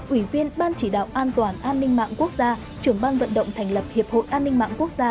ủy viên ban chỉ đạo an toàn an ninh mạng quốc gia trưởng ban vận động thành lập hiệp hội an ninh mạng quốc gia